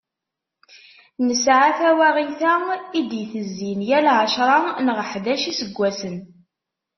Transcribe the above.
Nesεa tawaɣit-a i d-itezzin yal ɛecṛa neɣ ḥdac n yiseggasen.